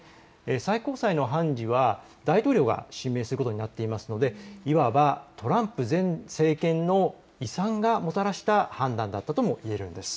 最高裁の判事は大統領が指名することになっていますので、いわばトランプ前政権の遺産がもたらした判断だったとも言えるんです。